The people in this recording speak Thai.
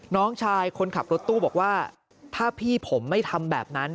น้องชายคนขับรถตู้บอกว่าถ้าพี่ผมไม่ทำแบบนั้น